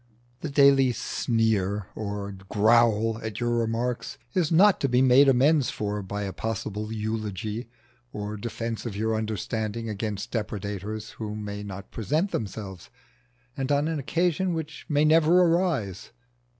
The daily sneer or growl at your remarks is not to be made amends for by a possible eulogy or defence of your understanding against depredators who may not present themselves, and on an occasion which may never arise.